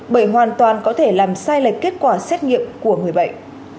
bởi hoàn toàn có thể làm sai lệch kết quả xét nghiệm của người bệnh